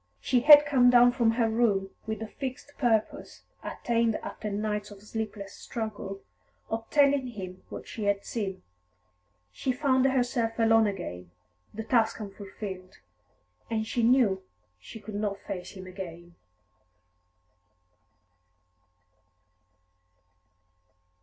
She had come down from her room with the fixed purpose, attained after nights of sleepless struggle, of telling him what she had seen. She found herself alone again, the task unfulfilled. And she knew that she could not face him again.